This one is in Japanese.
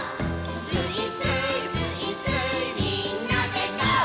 「スイスーイスイスーイみんなでゴー！」